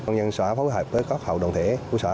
nhân xóa phối hợp với các hậu đồng thể của xóa